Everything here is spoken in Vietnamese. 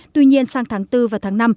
tuy nhiên sang tháng bốn và tháng năm